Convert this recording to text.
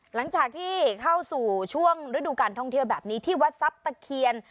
หลังจากที่เข้าสู่ช่วงฤดูการท่องเที่ยวแบบนี้ที่วัดทรัพย์ตะเคียน